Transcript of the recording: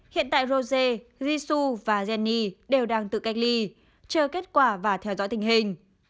hiện tại rose jisoo và jennie đều đang tự cách ly chờ kết quả và theo dõi tình hình